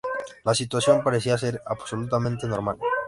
La situación parecía ser absolutamente normal.